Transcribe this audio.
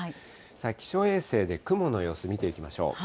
気象衛星で雲の様子、見ていきましょう。